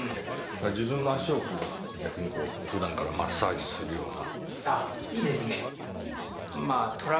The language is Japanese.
自分の足を逆にふだんからマッサージするような。